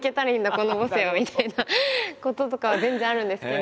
この母性は」みたいなこととかは全然あるんですけど。